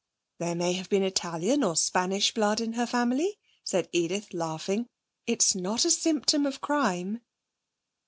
'There may have been Italian or Spanish blood in her family,' said Edith, laughing. 'It's not a symptom of crime.'